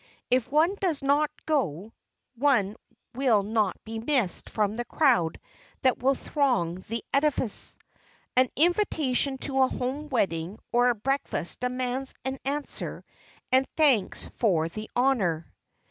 If one does not go one will not be missed from the crowd that will throng the edifice. An invitation to a home wedding or a breakfast demands an answer and thanks for the honor.